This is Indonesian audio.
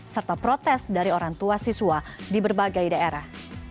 serta protes dari orang tua siswa di berbagai daerah